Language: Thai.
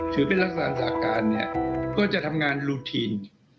ถือเป็นลักษณะสาการเนี่ยก็จะทำงานรูทีน